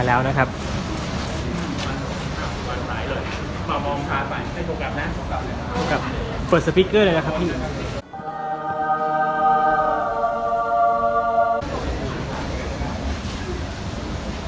เปิดสปริกเกอร์เลยนะครับพี่